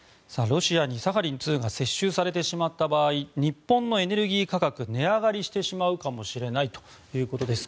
ロシアにサハリン２が接収されてしまった場合日本のエネルギー価格値上がりしてしまうかもしれないということです。